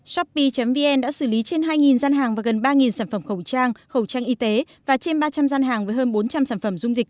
shopee vn đã xử lý trên hai gian hàng và gần ba sản phẩm khẩu trang khẩu trang y tế và trên ba trăm linh gian hàng với hơn bốn trăm linh sản phẩm dung dịch